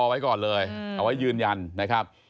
ไว้ก่อนเลยเอาไว้ยืนยันนะครับ